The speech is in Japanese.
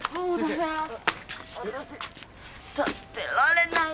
わたし立ってられない。